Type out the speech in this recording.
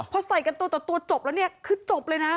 พอใส่กันตัวตัวจบแล้วคือจบเลยนะ